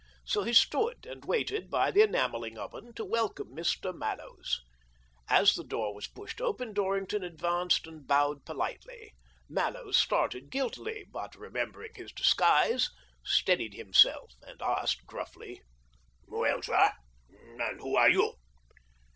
So he stood and waited by the enamelling oven to welcome Mr. Mallows. As the door was pushed open Dorrington advanced and bowed politely. Mallows started guiltily, but, remembering his disguise, steadied himself, and asked gruflly, " Well, sir, and who are you